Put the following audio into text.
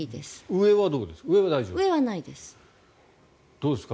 上はないです。